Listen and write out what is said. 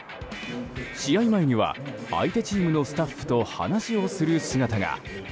試合前には、相手チームのスタッフと話をする姿が。